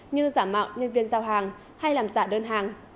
như giả mạo nhân viên giao hàng hay làm giả đơn hàng